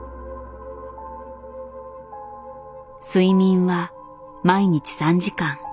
睡眠は毎日３時間。